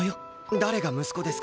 誰が息子ですか。